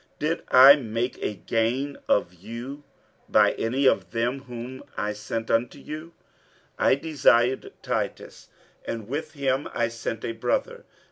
47:012:017 Did I make a gain of you by any of them whom I sent unto you? 47:012:018 I desired Titus, and with him I sent a brother.